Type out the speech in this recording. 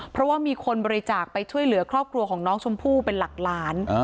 เพราะว่ามีคนบริจาคไปช่วยเหลือครอบครัวของน้องชมพู่เป็นหลักล้าน